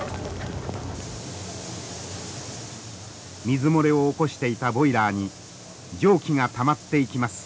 水漏れを起こしていたボイラーに蒸気がたまっていきます。